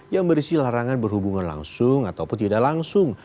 yang berisi larangan berhubungan langsung ataupun tidak langsung